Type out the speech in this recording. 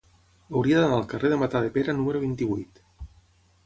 Hauria d'anar al carrer de Matadepera número vint-i-vuit.